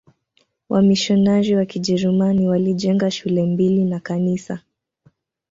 Wamisionari wa Kijerumani walijenga shule mbili na kanisa.